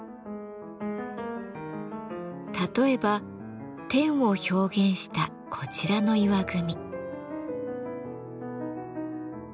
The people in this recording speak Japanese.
例えば「天」を表現したこちらの石組。